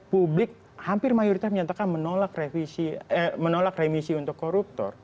publik hampir mayoritas menyatakan menolak remisi untuk koruptor